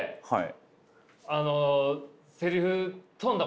はい。